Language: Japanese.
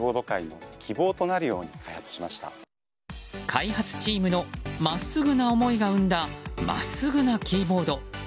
開発チームの真っすぐな思いが生んだ真っすぐなキーボード。